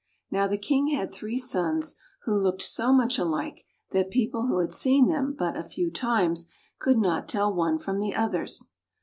Now the King had three sons who looked so much alike that people who had seen them but a few times could not tell one from the others.